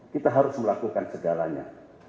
kita harus melakukan segalanya